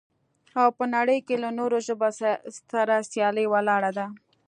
او په نړۍ کې له نورو ژبو سره سياله ولاړه ده.